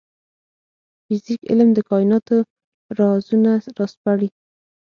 فزیک علم د کایناتو رازونه راسپړي